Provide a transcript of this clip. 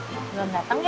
belum datang ya